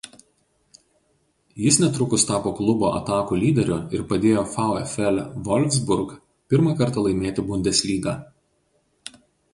Jis netrukus tapo klubo atakų lyderių ir padėjo „VfL Wolfsburg“ pirmą kartą laimėti Bundeslygą.